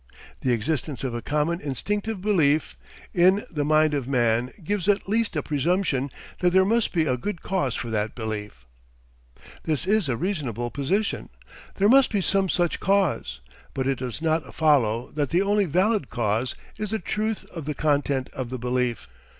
The existence of a common instinctive belief in the mind of man gives at least a presumption that there must be a good cause for that belief. "This is a reasonable position. There must be some such cause. But it does not follow that the only valid cause is the truth of the content of the belief.